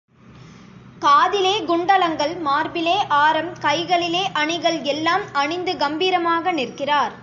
காதிலே குண்டலங்கள், மார்பிலே ஆரம், கைகளிலே அணிகள் எல்லாம் அணிந்து கம்பீரமாக நிற்கிறார்.